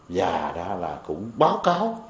và đã là cũng báo cáo